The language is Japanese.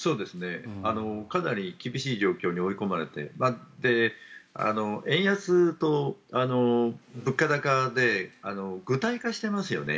かなり厳しい状況に追い込まれて円安と物価高で具体化してますよね。